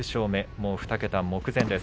もう２桁目前です。